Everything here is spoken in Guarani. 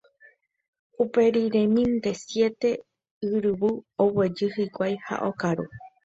Uperiremínte siete yryvu oguejy hikuái ha okaru.